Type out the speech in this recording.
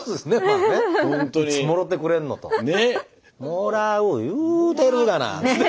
もらう言うてるがなっつって。